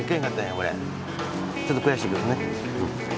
ちょっと悔しいけどね。